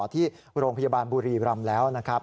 ที่โรงพยาบาลบุรีรำแล้วนะครับ